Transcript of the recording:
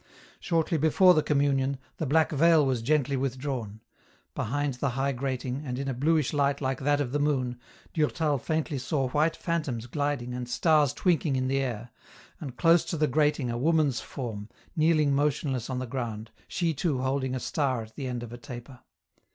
Shortly before the communion, the black veil was gently withdrawn ; behind the high grating, and in a blueish light like that of the moon, Durtal faintly saw white phantoms gliding and stars twinking in the air, and close to the grating a woman's form, kneeling motion less on the ground, she too holding a star at the end of a taper.